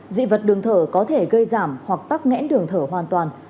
dị vật đường thở có thể gây giảm hoặc tắc nghẽn đường thở hoàn toàn